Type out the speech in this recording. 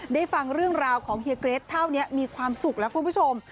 ได้ฟังเรื่องราวของเฮียเกรทเท่านี้มีความสุขแล้วคุณผู้ชม